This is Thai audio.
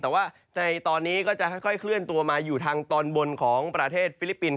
แต่ว่าในตอนนี้ก็จะค่อยเคลื่อนตัวมาอยู่ทางตอนบนของประเทศฟิลิปปินส